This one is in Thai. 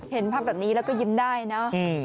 เห็นภาพแบบนี้แล้วก็ยิ้มได้เนอะ